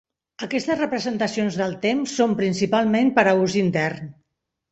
Aquestes representacions del temps són principalment per a ús intern.